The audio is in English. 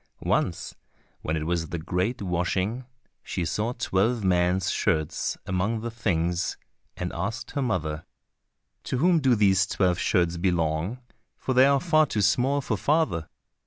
Once, when it was the great washing, she saw twelve men's shirts among the things, and asked her mother, "To whom do these twelve shirts belong, for they are far too small for father?"